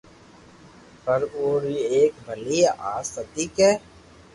پر او ري ايڪ ڀلي آست ھتي ڪي